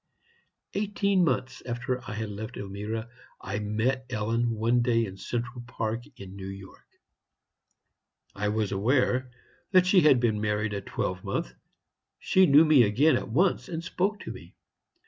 "Eighteen months after I had left Elmira, I met Ellen one day in Central Park, in New York. I was aware that she had been married a twelve month. She knew me again at once, and spoke to me.